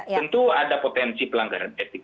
tentu ada potensi pelanggaran etik